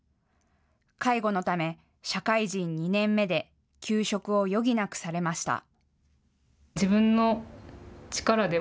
介護のため社会人２年目で休職を余儀なくされました。